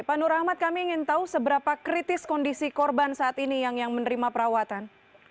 pak nur rahmat kami ingin tahu seberapa kritis kondisi korban saat ini yang menerima perawatan